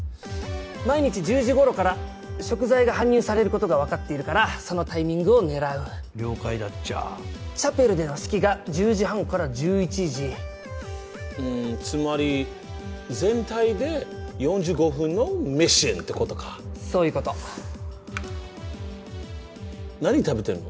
毎日１０時頃から食材が搬入されることがわかっているからそのタイミングを狙う了解だっちゃチャペルでの式が１０時半から１１時つまり全体で４５分のミッションってそういうこと何食べてんの？